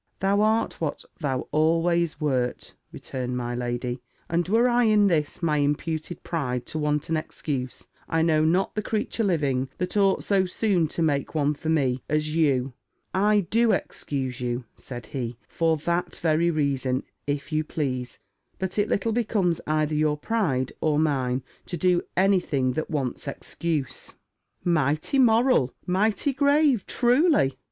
"Thou art what thou always wert," returned my lady; "and were I in this my imputed pride to want an excuse, I know not the creature living, that ought so soon to make one for me, as you." "I do excuse you," said he, "for that very reason, if you please: but it little becomes either your pride, or mine, to do any thing that wants excuse." "Mighty moral! mighty grave, truly!